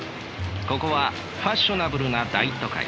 ここはファッショナブルな大都会。